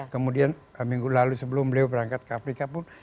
kemudian minggu lalu sebelum beliau berangkat ke afrika pun